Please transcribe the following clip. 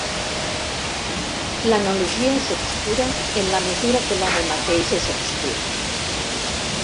L'analogia és obscura en la mesura que l'home mateix és obscur.